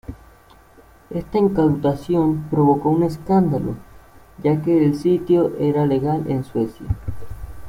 Esta incautación provocó un escándalo, ya que el sitio era legal en Suecia.